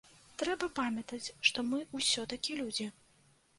Трэба памятаць, што мы ўсё-такі людзі.